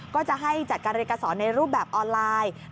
ก็จะให้จัดการเรียนการสอนในรูปแบบออนไลน์